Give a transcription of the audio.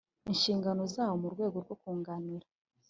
Inshingano zawo mu rwego rwo kunganira